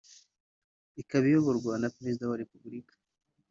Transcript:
ikaba iyoborwa na Perezida wa Repubulika